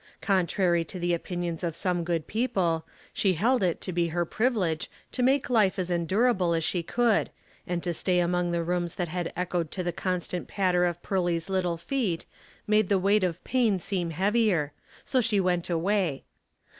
Contrary to the opinions of some good people, she held i. 'o be her privilege to make life as endurable as she could, and to stay among the rooms that had echoed to the constant patter of Pearly 's little feet made the weight of pain seem heavier, so she went away.